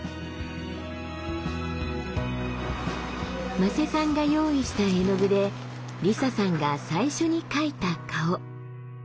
馬瀬さんが用意した絵の具でりささんが最初に描いた顔。